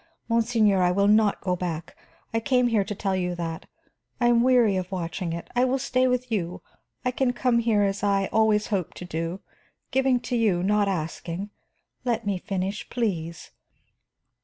Monseigneur, I will not go back; I came here to tell you that. I am weary of watching it; I will stay with you. I can come here as I always hoped to do, giving to you, not asking. Let me finish, please.